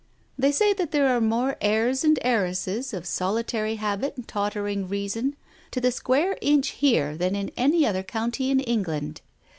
"They say that there are more heirs and heiresses of solitary habit and tottering reason to the square inch here than in any other county in England.